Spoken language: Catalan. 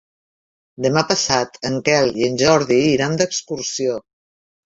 Demà passat en Quel i en Jordi iran d'excursió.